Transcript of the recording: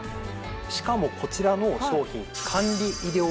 しかもこちらの商品。